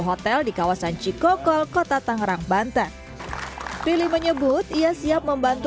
hotel di kawasan cikokol kota tangerang banten rilly menyebut ia siap membantu